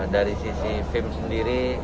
dari sisi fim sendiri